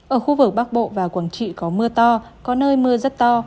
ở khu vực bắc bộ và quảng trị có mưa to có nơi mưa rất to